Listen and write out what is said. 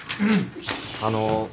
あの。